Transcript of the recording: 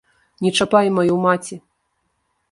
Не чапай маю маці!